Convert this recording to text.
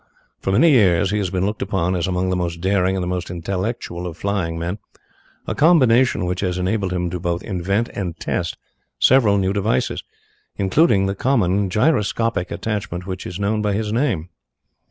For many years he has been looked upon as among the most daring and the most intellectual of flying men, a combination which has enabled him to both invent and test several new devices, including the common gyroscopic attachment which is known by his name.